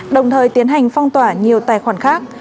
đồng thời tiến hành phong tỏa nhiều tài khoản khác